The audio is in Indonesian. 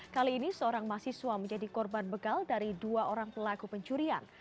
kali ini seorang mahasiswa menjadi korban begal dari dua orang pelaku pencurian